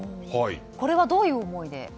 これはどういう思いで？